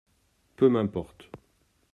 Peu m’importe.